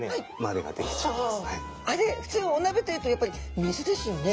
ふつうお鍋というとやっぱり水ですよね。